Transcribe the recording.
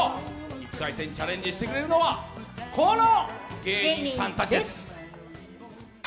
１回戦チャレンジしてくれるのは、この芸人さんたちです。